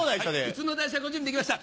普通の代車ご準備できました。